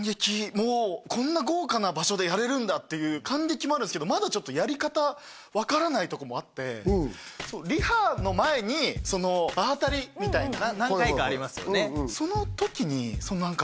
もうこんな豪華な場所でやれるんだっていう感激もあるんですけどとこもあってリハの前にその場当たりみたいな何回かありますよね